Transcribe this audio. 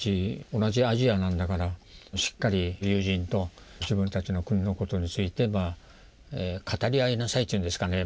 同じアジアなんだからしっかり友人と自分たちの国のことについて語り合いなさいというんですかね。